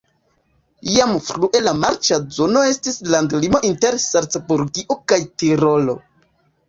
Jam frue la marĉa zono estis landlimo inter Salcburgio kaj Tirolo.